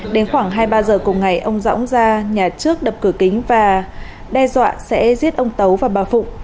đến khoảng hai mươi ba h cùng ngày ông dõng ra nhà trước đập cửa kính và đe dọa sẽ giết ông tấu và bà phụng